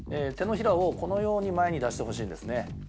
手のひらをこのように前に出してほしいんですね。